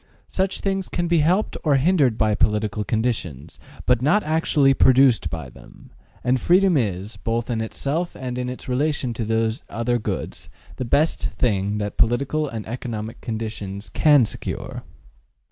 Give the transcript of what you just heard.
Such things can be helped or hindered by political conditions, but not actually produced by them; and freedom is, both in itself and in its relation to these other goods the best thing that political and economic conditions can secure.